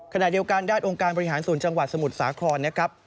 ขณะเดียวกันด้านองค์การบริหารส่วนจังหวัดสมุทรสาครนะครับ